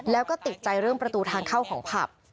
แล้วก็ติดใจเรื่องประตูทางเข้าของผับ